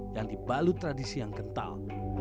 yang dibalut tradisi yang kental